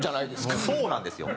そうなんですよ。